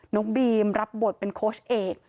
น้องบีมรับบทเป็นโค้ชเอก